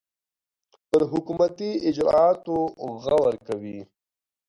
پر حکومتي اجرآتو غور کوي.